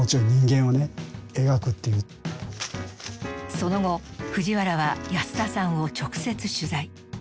その後藤原は安田さんを直接取材。